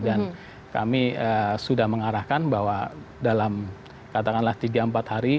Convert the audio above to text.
dan kami sudah mengarahkan bahwa dalam katakanlah tiga empat hari